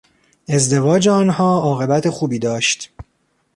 ازدواج آنها عاقبت خوبی داشت.